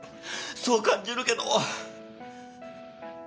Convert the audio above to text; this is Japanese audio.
そう感じるけど。